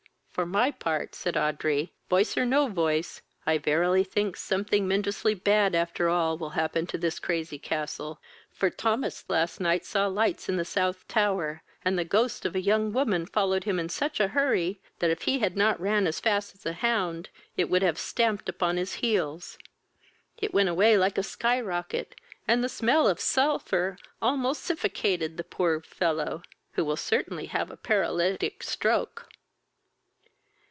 "For my part, (said Audrey,) voice or no voice, I verily thinks something mendusly bad after all will happen to this crazy castle, for Thomas last night saw lights in the South tower, and the ghost of a young woman followed him in such a hurry, that, if he had not ran as fast as a hound, it would have stamped upon his heels. It went away like a sky rocket, and the smell of sulphur almost sifficated the poor fellow, who will certainly have a parletic stroke."